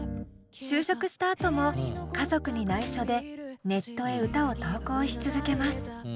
就職したあとも家族に内緒でネットへ歌を投稿し続けます。